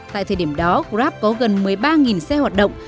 tại thời điểm đó grab có gần một mươi ba xe hoạt động